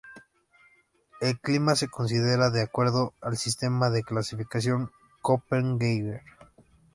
El clima se considera de acuerdo al sistema de clasificación Köppen-Geiger.